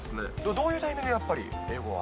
どういうタイミングでやっぱり英語は？